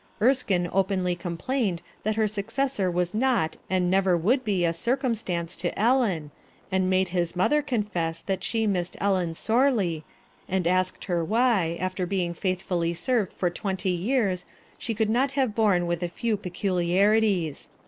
Erskine openly complained that her successor THE GENERAL MANAGER 185 xras n ot anc * never ^ r ° n ^ be a circumstance to Ellen and made his mother confess that she missed Ellen sorely, and asked her why, after being faithfully served for twenty years, she could not have borne with a few peculiarities.